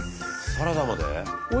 サラダまで？